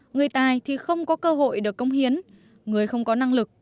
người tài thì không có cơ hội được công hiến người không có năng lực